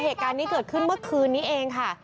เหตุการณ์นี้เกิดขึ้นเมื่อคืนนี้เองค่ะ